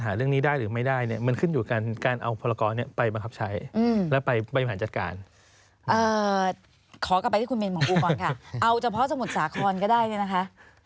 ขอกลับไปที่คุณเมนของผมก่อนค่ะเอาเฉพาะสมุทรสาขนก็ได้นะคะ